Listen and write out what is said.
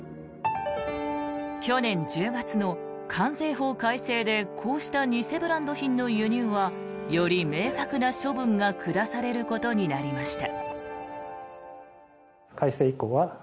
去年１０月の関税法改正でこうした偽ブランド品の輸入はより明確な処分が下されることになりました。